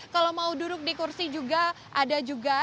kalau mau duduk di kursi juga ada juga